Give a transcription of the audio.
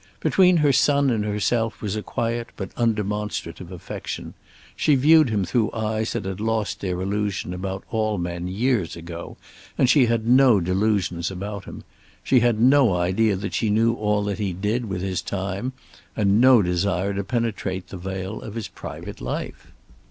Between her son and herself was a quiet but undemonstrative affection. She viewed him through eyes that had lost their illusion about all men years ago, and she had no delusions about him. She had no idea that she knew all that he did with his time, and no desire to penetrate the veil of his private life.